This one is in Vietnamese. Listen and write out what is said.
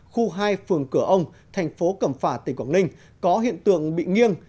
khu hai phường cửa ông thành phố cầm phà tỉnh quảng ninh có hiện tượng bị nghiêng